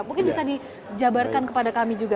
mungkin bisa dijabarkan kepada kami juga